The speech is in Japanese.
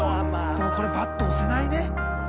でもこれ「ＢＡＤ」押せないね。